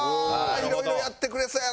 いろいろやってくれそうやな！